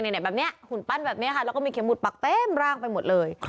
แบบนี้หุ่นปั้นแบบนี้ค่ะแล้วก็มีเข็มหุดปักเต็มร่างไปหมดเลย